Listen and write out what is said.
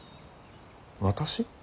私？